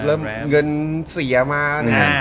เริ่มเงินเสียมา